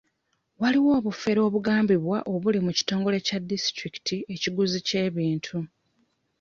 Waliwo obufere obugambibwa obuli mu kitongole kya disitulikiti ekiguzi ky'ebintu.